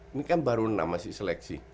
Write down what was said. ini kan baru namanya sih seleksi